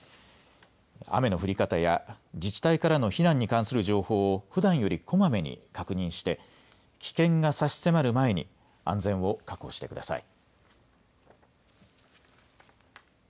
雨の降り方や自治体からの避難に関する情報をふだんよりこまめに確認して危険が差し迫る前に安全を確保してください。